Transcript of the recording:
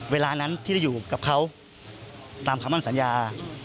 เวลานั้นที่ได้อยู่กับเขาตามคำมั่นสัญญา